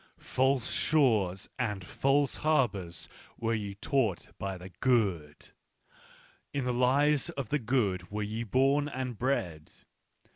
False shores and false harbours were ye taught by the good. In the lies of the good were ye born and bred.